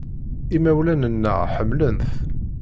Imawlan-nneɣ ḥemmlen-t.